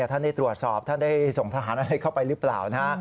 ท่านได้ตรวจสอบท่านได้ส่งทหารอะไรเข้าไปหรือเปล่านะฮะ